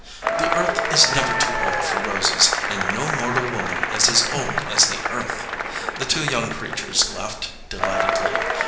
The earth is never too old for roses, and no mortal woman is as old as the earth." The two young creatures laughed delightedly.